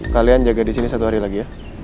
kalian jaga di sini satu hari lagi ya